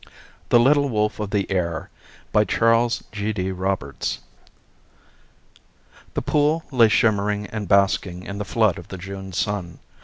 The Little Wolf of the Air The pool lay shimmering and basking in the flood of the June sun.